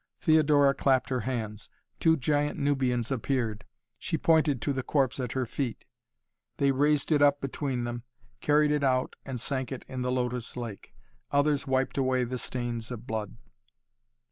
Theodora clapped her hands. Two giant Nubians appeared. She pointed to the corpse at her feet. They raised it up between them, carried it out and sank it in the Lotus lake. Others wiped away the stains of blood.